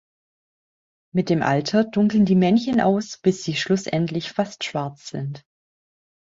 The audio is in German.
Mit dem Alter dunkeln die Männchen aus, bis sie schlussendlich fast schwarz sind.